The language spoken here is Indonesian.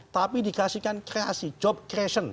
tapi dikasihkan kreasi job creation